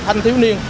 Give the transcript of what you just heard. thanh thiếu niên